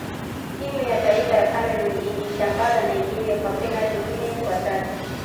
timu ya taifa ya cameroon iliichabanga nigeria kwa penati nne kwa tatu